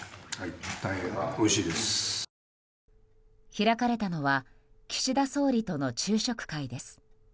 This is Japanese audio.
開かれたのは岸田総理との昼食会です。